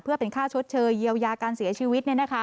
เพื่อเป็นค่าชดเชยเยียวยาการเสียชีวิต